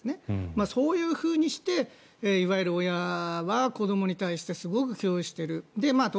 そういうふうにしていわゆる親は子どもに対してすごく強要している。